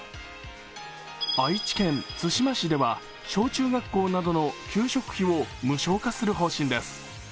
愛知県津島市では小中学校などの給食費を無償化する方針です。